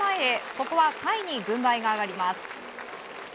ここは、甲斐に軍配が上がります。